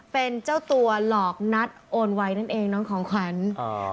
เป็นเจ้าตัวหลอกนัดโอนไวนั่นเองน้องของขวัญอ่า